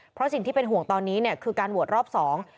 เพราะสิ่งที่เป็นห่วงตอนนี้เนี่ยคือการโหวตรอบสอง